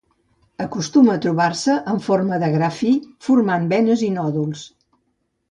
Acostuma a trobar-se en forma de gra fi, formant venes i nòduls.